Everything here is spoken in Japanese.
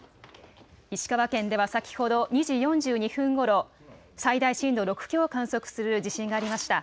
石川県では先ほど２時４２分ごろ最大震度６強を観測する地震がありました。